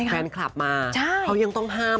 แฟนคลับมาเขายังต้องห้าม